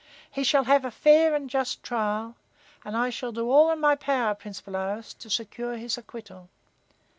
He shall have a fair and a just trial, and I shall do all in my power, Prince Bolaroz, to secure his acquittal."